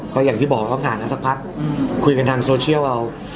ก็อย่างที่บอกเขาผ่านมาสักพักคุยกันทางโซเชียลเอา